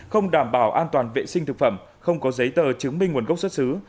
không đảm bảo an toàn vệ sinh thực phẩm không có giấy tờ chứng minh nguồn gốc xuất xứ